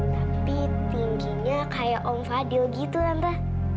tapi tingginya kayak om fadil gitu ramba